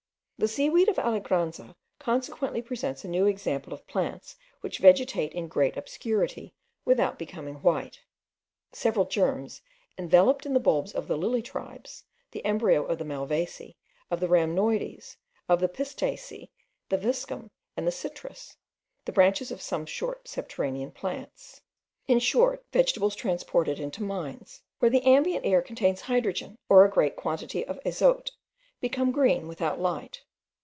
The seaweed of Alegranza consequently presents a new example of plants which vegetate in great obscurity without becoming white. Several germs, enveloped in the bulbs of the lily tribes, the embryo of the malvaceae, of the rhamnoides, of the pistacea, the viscum, and the citrus, the branches of some subterraneous plants; in short, vegetables transported into mines, where the ambient air contains hydrogen or a great quantity of azote, become green without light.